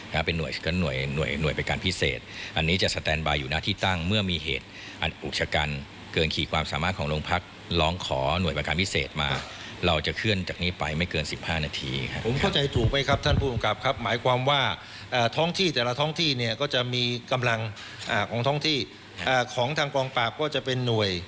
หน่วยหน่วยประการพิเศษอันนี้จะสแตนบายอยู่หน้าที่ตั้งเมื่อมีเหตุอันอุกชะกันเกินขีดความสามารถของโรงพักร้องขอหน่วยประการพิเศษมาเราจะเคลื่อนจากนี้ไปไม่เกินสิบห้านาทีครับผมเข้าใจถูกไหมครับท่านผู้กำกับครับหมายความว่าอ่าท้องที่แต่ละท้องที่เนี่ยก็จะมีกำลังอ่าของท้องที่อ่าของทางกองปราบก็จะเป็นหน่วย